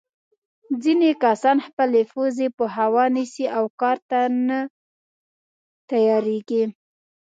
ځینې کسان خپلې پزې په هوا نیسي او کار ته نه تیارېږي.